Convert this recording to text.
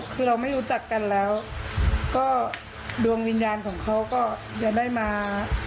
คือเราไม่รู้จักกันแล้วก็ดวงวิญญาณของเขาก็จะได้มา